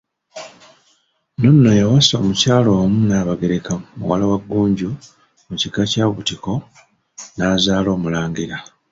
N'ono yawasa omukyala omu Nnaabagereka muwala wa Ggunju mu kika ky'Obutiko, n'azaala omulangira.